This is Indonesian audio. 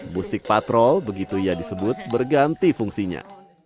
musik patrol begitu ia disebut berganti fungsinya